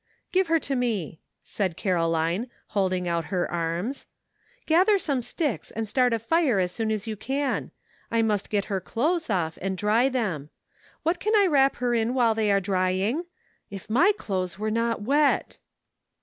"Give her to me," said Caroline, holding out her arms. " Gather some sticks and start a fire as soon as you can. I must get her clothes off and dry them. What can I wrap her in while they are drying ? If my cloths were not wet